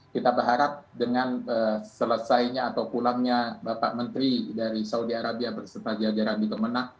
kita berharap dengan selesainya atau pulangnya bapak menteri dari saudi arabia berserta jajaran di kemenang